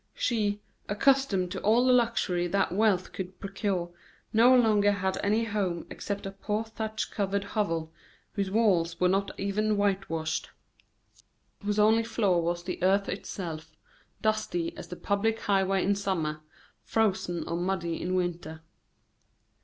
She, accustomed to all the luxury that wealth could procure, no longer had any home except a poor thatch covered hovel, whose walls were not even whitewashed, whose only floor was the earth itself, dusty as the public highway in summer, frozen or muddy in winter.